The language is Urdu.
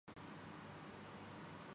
استوائی گیانا